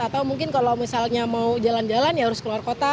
atau mungkin kalau misalnya mau jalan jalan ya harus keluar kota